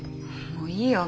もういいよ。